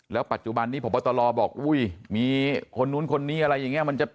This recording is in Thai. แล้วปัจจุบันนี้ผมตลอดบอกอุ้ยมีคนนู้นคนนี้อะไรเงี้ยมันจะ